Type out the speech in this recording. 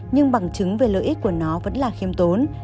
nhưng bằng chứng về lợi ích của nó vẫn là khiêm tốn